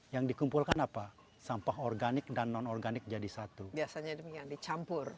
yang dikumpulkan apa sampah organik dan non organik jadi satu biasanya demikian dicampur